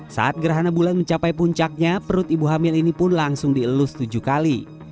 saat gerhana bulan mencapai puncaknya perut ibu hamil ini pun langsung dielus tujuh kali